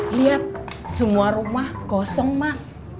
lihat semua rumah kosong mas